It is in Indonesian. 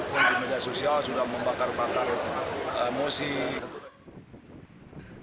masyarakat dki jakarta inspektur jenderal polisi m iryawan menyatakan akan mengerahkan pilkada dki jakarta dengan mengamankan pilkada dki jakarta